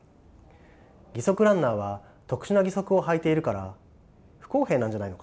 義足ランナーは特殊な義足をはいているから不公平なんじゃないのか。